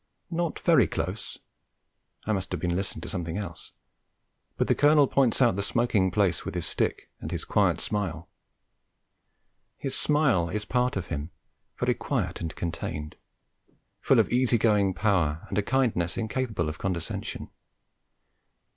Not very close I must have been listening to something else but the Colonel points out the smoking place with his stick and his quiet smile. His smile is part of him, very quiet and contained, full of easy going power, and a kindness incapable of condescension.